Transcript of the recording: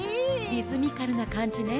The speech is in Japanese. リズミカルなかんじね。